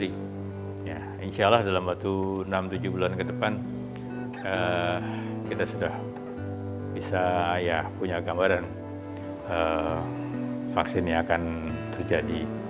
insya allah dalam waktu enam tujuh bulan ke depan kita sudah bisa punya gambaran vaksinnya akan terjadi